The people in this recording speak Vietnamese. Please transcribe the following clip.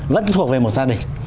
vẫn thuộc về một gia đình